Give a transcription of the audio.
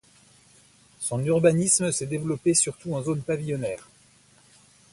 Son urbanisme s'est développé surtout en zones pavillonnaires.